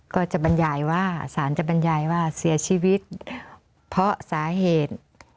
ก็จะบรรยายว่าสารจะบรรยายว่าเสียชีวิตเพราะสาเหตุ